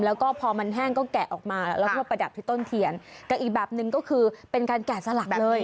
แล้วก็พอมันแห้งก็แกะออกมาแล้วก็มาประดับที่ต้นเทียนกับอีกแบบหนึ่งก็คือเป็นการแกะสลักเลย